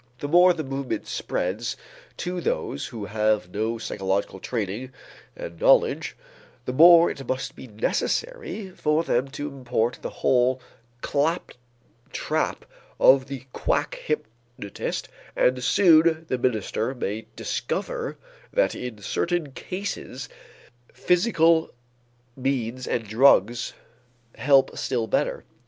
The more the movement spreads to those who have no psychological training and knowledge, the more it must be necessary for them to import the whole claptrap of the quack hypnotist and soon the minister may discover that in certain cases physical means and drugs help still better.